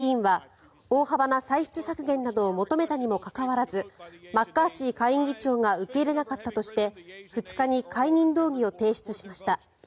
共和党強硬派の１人マット・ゲーツ下院議員は大幅な歳出削減などを求めたにもかかわらずマッカーシー下院議長が受け入れなかったとして２日に解任動議を提出しました。